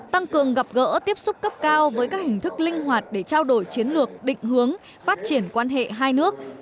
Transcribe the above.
tăng cường gặp gỡ tiếp xúc cấp cao với các hình thức linh hoạt để trao đổi chiến lược định hướng phát triển quan hệ hai nước